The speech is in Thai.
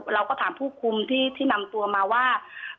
เราก็ถามผู้คุมที่นำตัวมาว่า